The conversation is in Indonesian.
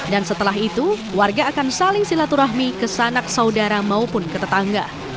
setelah itu warga akan saling silaturahmi ke sanak saudara maupun ke tetangga